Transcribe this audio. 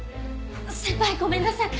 先輩ごめんなさい。